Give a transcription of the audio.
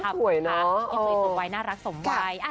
ก็น่างสวยเนอะ